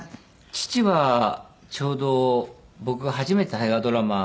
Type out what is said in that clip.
父はちょうど僕が初めて大河ドラマ。